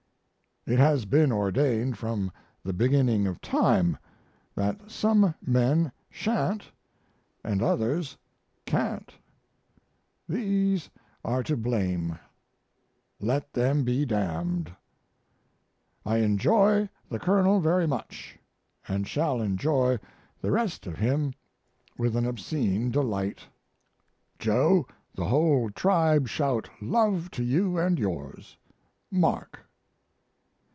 It has been ordained from the beginning of time that some men sha'n't & others can't. These are to blame: let them be damned. I enjoy the Colonel very much, & shall enjoy the rest of him with an obscene delight. Joe, the whole tribe shout love to you & yours! MARK.